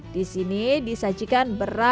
disini disajikan berat